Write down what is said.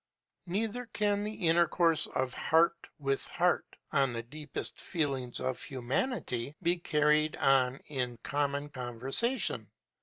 Neither can this intercourse of heart with heart, on the deepest feelings of humanity, be carried on in common conversation.